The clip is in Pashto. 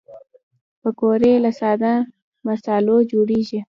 پکورې له ساده مصالحو جوړېږي